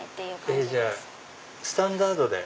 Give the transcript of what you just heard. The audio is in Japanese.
じゃあスタンダードで。